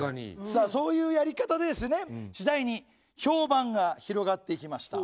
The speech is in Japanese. さあそういうやり方でですね次第に評判が広がっていきました。